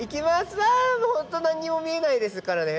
わもう本当何にも見えないですからね。